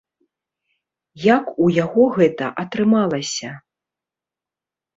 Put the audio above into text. Як у яго гэта атрымалася?